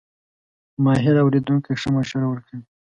ماهر اورېدونکی ښه مشوره ورکوي.